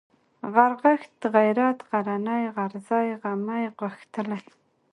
غرغښت ، غيرت ، غرنى ، غرزی ، غمی ، غښتلی